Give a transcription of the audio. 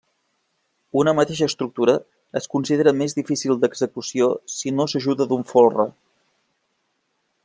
Una mateixa estructura es considera més difícil d'execució si no s'ajuda d'un folre.